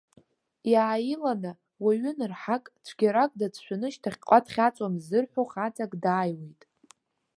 Иааиланы, уаҩы нырҳак, цәгьарак дацәшәаны шьҭахьҟа дхьаҵуам ззырҳәо хаҵак дааиуеит.